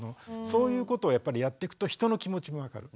そういうことをやっぱりやっていくと人の気持ちも分かる。